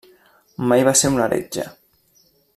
Mai va ser un heretge.